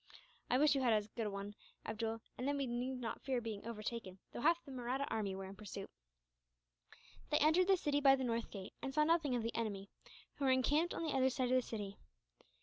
"I wish you had as good a one, Abdool, and then we need not fear being overtaken, though half the Mahratta army were in pursuit." They entered the city by the northern gate, and saw nothing of the enemy, who were encamped on the other side of the city.